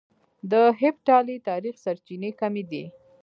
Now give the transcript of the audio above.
د هېپتالي تاريخ سرچينې کمې دي